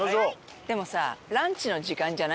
でもさランチの時間じゃないんじゃない？